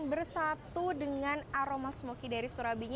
bersatu dengan aroma smoky dari surabinya